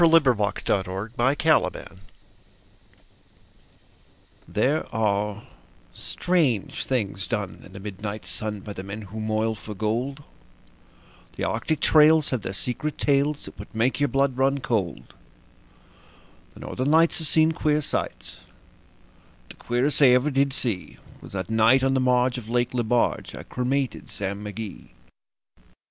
The Cremation of Sam Mcgee There are strange things done in the midnight sun By the men who moil for gold; The Arctic trails have their secret tales That would make your blood run cold; The Northern Lights have seen queer sights, But the queerest they ever did see Was that night on the marge of Lake Lebarge I cremated Sam McGee.